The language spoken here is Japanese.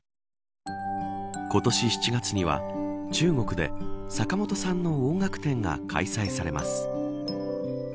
今年７月には中国で坂本さんの音楽展が開催されます。